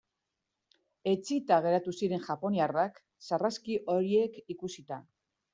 Etsita geratu ziren japoniarrak sarraski horiek ikusita.